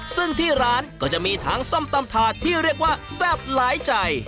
ซึ่งที่ร้านก็จะมีทั้งส้มตำถาดที่เรียกว่าแซ่บหลายใจ